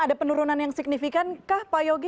ada penurunan yang signifikan kah pak yogi